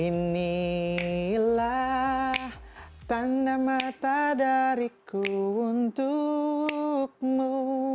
inilah tanda mata dariku untukmu